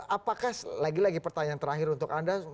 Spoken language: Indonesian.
apakah lagi lagi pertanyaan terakhir untuk anda